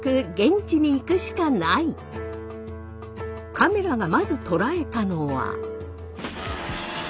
カメラがまず捉えたのは。